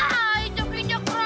tidak tidak tidak tidak